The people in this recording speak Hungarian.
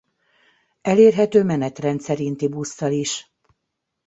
Elérhető menetrend szerinti busszal is.